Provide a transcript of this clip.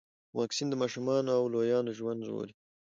واکسین د ماشومانو او لویانو ژوند ژغوري.